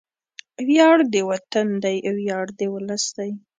وياړ د وطن دی، ویاړ د ولس دی